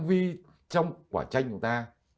vì trong quả chanh của ta